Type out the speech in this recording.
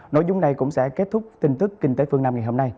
nội dung này cũng sẽ kết thúc tin tức kinh tế phương nam ngày hôm nay